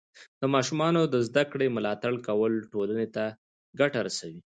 د ماشومانو د زده کړې ملاتړ کول ټولنې ته ګټه رسوي.